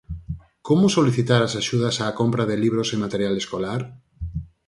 Como solicitar as axudas á compra de libros e material escolar?